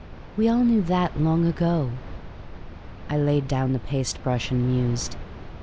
" We all knew that long ago." I laid down the paste brush and mused.